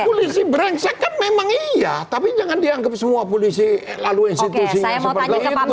polisi berengsek kan memang iya tapi jangan dianggap semua polisi lalu institusinya seperti itu